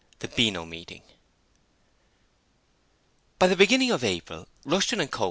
The Beano Meeting By the beginning of April, Rushton & Co.